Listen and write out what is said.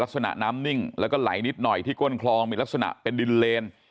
ลักษณะน้ำนิ่งแล้วก็ไหลนิดหน่อยที่ก้นคลองมีลักษณะเป็นดินเลน